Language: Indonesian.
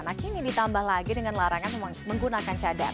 nah kini ditambah lagi dengan larangan